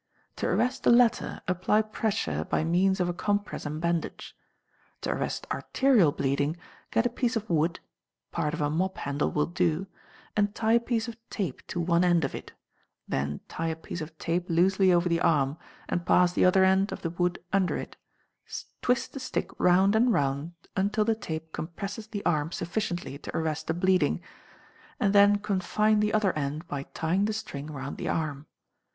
To arrest the latter, apply pressure by means of a compress and bandage. To arrest arterial bleeding, get a piece of wood (part of a mop handle will do), and tie a piece of tape to one end of it; then tie a piece of tape loosely over the arm, and pass the other end of the wood under it; twist the stick round and round until the tape compresses the arm sufficiently to arrest the bleeding, and then confine the other end by tying the string round the arm.